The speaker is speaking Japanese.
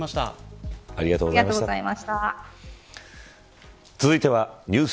ここまではありがとうございました。